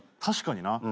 確かにな。